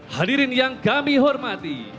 hadirin yang kami hormati